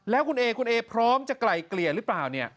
แล้วคุณเอคุณเอพร้อมจะไกลเกลียรึเปล่า